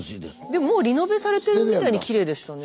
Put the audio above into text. でももうリノベされてるみたいにきれいでしたね。